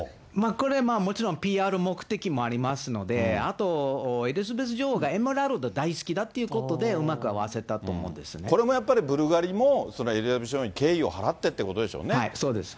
これ、もちろんＰＲ目的もありますので、あとエリザベス女王がエメラルド大好きだということで、うまく合これもやっぱり、ブルガリもエリザベス女王に敬意を払ってっていうことでしょうね。